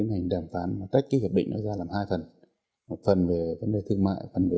nhưng chúng ta không phải chỉ sống bằng